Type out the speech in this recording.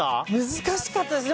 難しかったです。